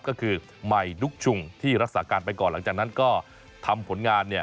ก็คือใหม่ดุ๊กชุงที่รักษาการไปก่อนหลังจากนั้นก็ทำผลงานเนี่ย